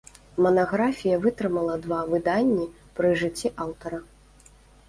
Манаграфія вытрымала два выданні пры жыцці аўтара.